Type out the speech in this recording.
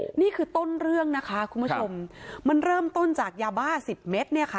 นี่คือต้นเรื่องนะคะคุณผู้ชมมันเริ่มต้นจากยาบ้าสิบเมตรเนี่ยค่ะ